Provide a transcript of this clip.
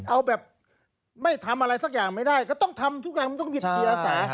เอาแบบไม่ทำอะไรสักอย่างไม่ได้ก็ต้องทำทุกอย่างมันต้องมีจิตอาสา